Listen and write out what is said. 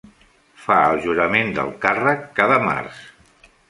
Fa el jurament del càrrec cada març.